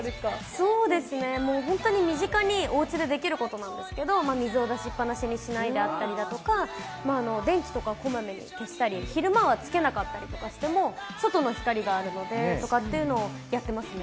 そうですね、もう本当に身近におうちでできることなんですけど、水を出しっぱなしにしないであったりだとか、電気とかこまめに消したり、昼間はつけなかったりしても、外の光があるのでっていうのをやってますね。